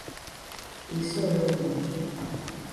Iso é o de menos.